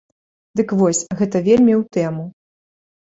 Дык вось, гэта вельмі ў тэму.